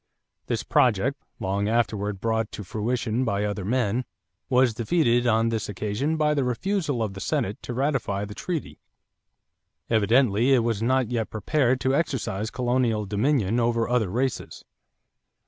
This project, long afterward brought to fruition by other men, was defeated on this occasion by the refusal of the Senate to ratify the treaty. Evidently it was not yet prepared to exercise colonial dominion over other races.